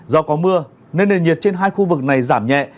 do có mưa nên nền nhiệt trên hai khu vực này giảm nhẹ